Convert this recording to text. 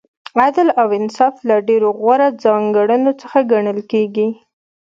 عدل او انصاف له ډېرو غوره ځانګړنو څخه ګڼل کیږي.